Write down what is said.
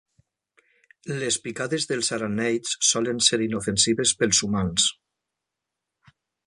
Les picades dels araneids solen ser inofensives pels humans.